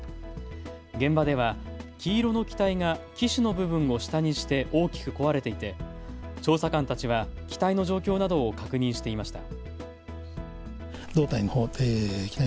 現場では黄色の機体が機首の部分を下にして大きく壊れていて調査官たちは機体の状況などを確認していました。